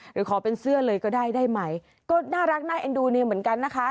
หรือขอเป็นเสื้อเลยก็ได้ได้ไหมก็น่ารักน่าเอ็นดูนี่เหมือนกันนะคะ